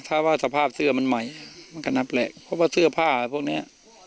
ถ้าว่าสภาพเสื้อมันใหม่มันก็นับแหละเพราะว่าเสื้อผ้าพวกเนี้ย